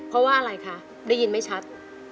เพราะว่าอะไรคะได้ยินไม่ชัด